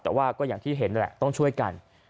แต่ว่าก็อย่างที่เห็นนั่นแหละต้องช่วยกัน